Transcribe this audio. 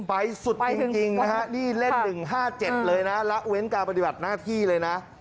ไปสุดจริงนะฮะนี่เล่น๑๕๗เลยนะละเว้นการปฏิบัติหน้าที่เลยนะ